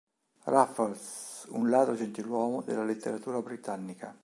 Raffles, un ladro gentiluomo della letteratura britannica.